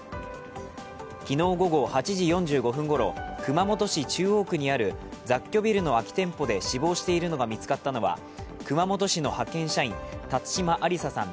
昨日午後８時４５分ごろ、熊本市中央区にある雑居ビルの空き店舗で死亡しているのが見つかったのは熊本市の派遣社員辰島ありささん